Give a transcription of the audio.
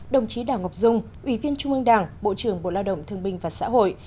đồng chí đảng ngọc dung ủy viên trung mương đảng bộ trưởng bộ lao động thương minh và xã hội